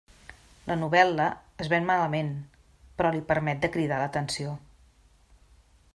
La novel·la es ven malament, però li permet de cridar l'atenció.